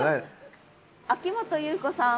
秋元優子さん。